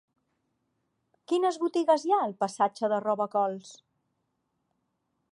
Quines botigues hi ha al passatge de Robacols?